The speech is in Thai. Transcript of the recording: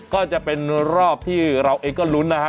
ก็จะเป็นรอบที่เราเองก็ลุ้นนะฮะ